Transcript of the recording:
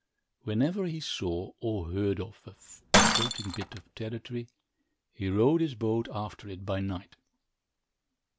Whenever he saw, or heard of, a floating bit of territory, he rowed his boat after it by night.